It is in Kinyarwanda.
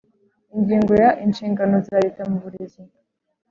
Ingingo ya Inshingano za Leta mu burezi